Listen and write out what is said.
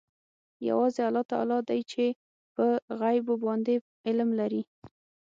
یوازې الله تعلی دی چې په غیبو باندې علم لري.